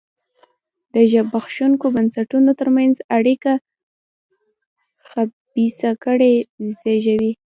د زبېښونکو بنسټونو ترمنځ اړیکه خبیثه کړۍ زېږوي.